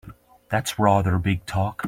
That's rather big talk!